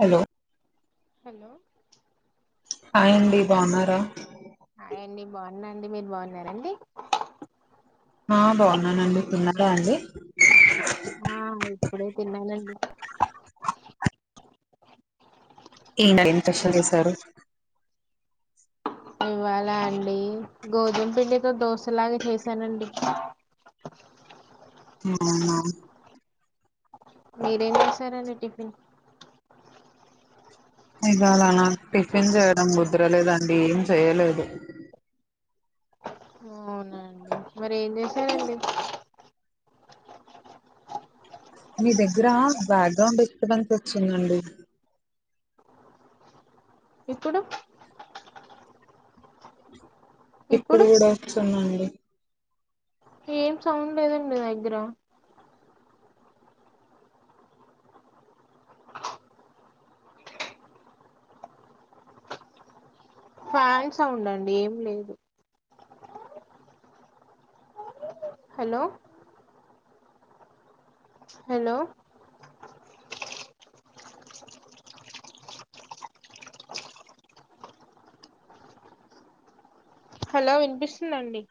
Hello hello hi అండి బాగున్నారా బాగున్నాండి మీరు బాగున్నారండి ఆ బాగున్నానండి తిన్నారా అండి ఆ ఇప్పుడే తిన్నానండి ఈనా ప్రషన్ చేశారు ఇవాలా అండి గోధుమ పిండితో దోశలాగ చేశానండి ఆ మీరేం చేసారండి టిఫిన్ ఇవాళ నాకు టిఫిన్ చేయడం ముద్రలేదండి ఏం చెయలేదు అవునా మరి ఏం చేసారండి మీ దగ్గర బ్యాక్గ్రౌండ్ డిస్టర్బెన్స్ వచ్చిందండి. ఇప్పుడు ఇప్పుడు కూడా వస్తున్నాండి ఏం సౌండ్ లేదండి దగ్గర ఫ్యాన్ సౌండ్ అండి ఏం లేదు హలో హలో హలో వినిపిస్తుందండి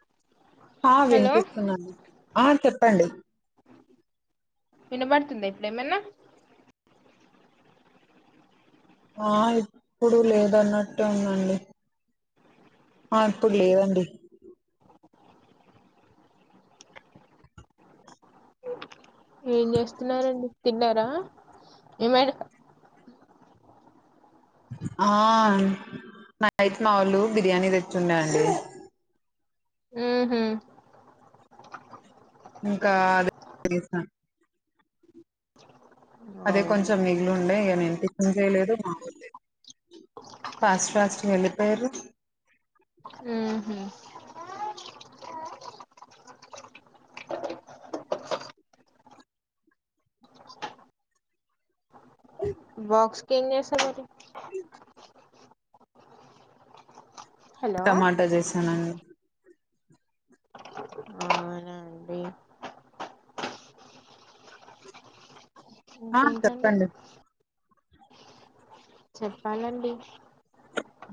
ఆ హలో వినిపిస్తుందండి ఆ చెప్పండి వినబడుతుందా ఇప్పుడేమన్నా ఆ ఇప్పుడు లేద అన్నట్టు ఉందండి ఆ ఇప్పుడు లేదండి ఏం ఏం చేస్తున్నావ్ రా అండి తిన్నారా ఏమే ఆ నైట్ మావోలు బిర్యానీ తెచ్చిుండ అండి ఆ హమ్ ఇంకా అదే తెసాను అదే అవునా కొంచెం మిగిలి ఉండేయి ఇక నేం టిఫన్ చేయలేదు ఫాస్ట్ ఫాస్ట్ వెళ్ళిపోయారు ఊహూ అ బాక్స్కింగ్ చేస్తారు మరి అ హలో టమాటా చేసానుండి అవునా అండి ఆ ఇంకేంటండి చెప్పండి చెప్పాలండి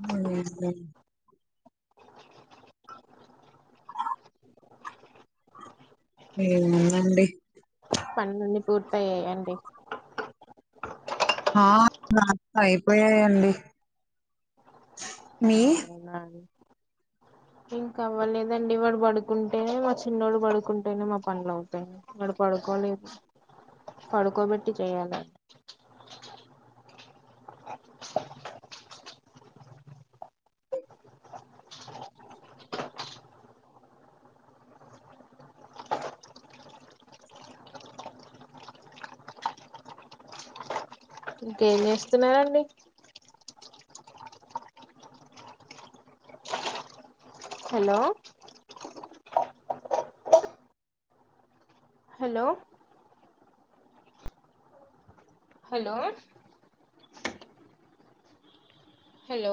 హ్మ్ హ్మ్ ఏముందండి పన్లన్ని పూర్తయ్యాయ అండి ఆ నా అయిపోయాయండి మీ అవునా ఇంక అవ్వలేదండి వాడు పడుకుంటే మా చిన్నోడు పడుకుంటేనే మా పనులు అవుతాయ్ వాడు పడుకోలేదు పడుకోబెట్టి చేయాలె ఇంకేం చేస్తున్నారండి హలో హలో హలో హలో